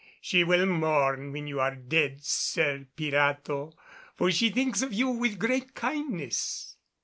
She will mourn when you're dead, Sir Pirato, for she thinks of you with great kindness."